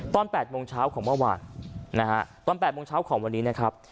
ตอน๘โมงเช้าของเมื่อวานนะฮะตอน๘โมงเช้าของวันนี้นะครับ